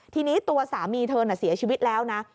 ทีนี้ตัวสามีเธอน่ะเสียชีวิตแล้วนะ